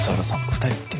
２人って。